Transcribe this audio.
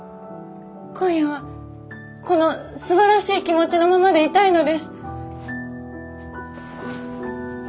今夜はこのすばらしい気持ちのままでいたいのです。